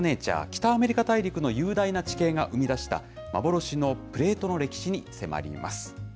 北アメリカ大陸の雄大な地形を生み出した幻のプレートの歴史に迫ります。